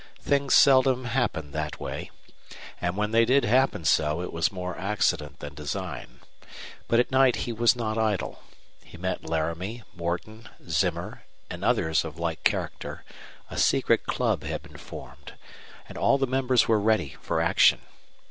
Things seldom happened that way; and when they did happen so, it was more accident than design. But at night he was not idle. He met Laramie, Morton, Zimmer, and others of like character; a secret club had been formed; and all the members were ready for action.